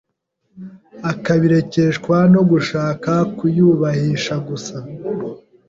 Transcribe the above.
akabirekeshwa no gushaka kuyubahisha gusa.